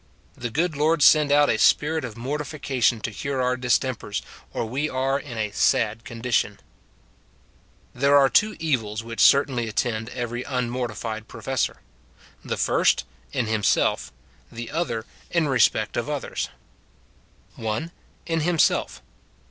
The good Lord send out a spirit of mortification to cure our distempers, or we are in a sad condition ! There are two evils which certainly attend every un mortifiod professor ;— the first, in himself ; the other, in respect of others :— 1. In hijiiself.